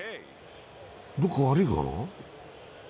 どこか悪いのかな。